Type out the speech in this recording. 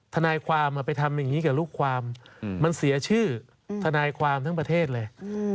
ทนายความไปทำอย่างนี้กับลูกความมันเสียชื่อทนายความทั้งประเทศเลย